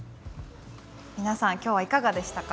皆さん今日はいかがでしたか？